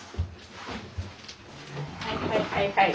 はいはいはいはい。